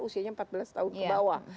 usianya empat belas tahun ke bawah